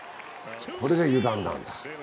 これが油断なんです